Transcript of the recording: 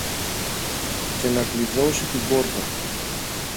και να κλειδώσει την πόρτα.